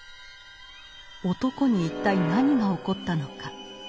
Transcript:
男に一体何が起こったのか。